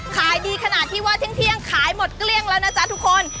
ขายดีขนาดที่ว่าเที่ยงขายหมดเกลี้ยงแล้วนะจ๊ะทุกคน